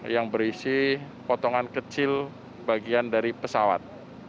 yang berisi potongan kecil bagian dari pesawat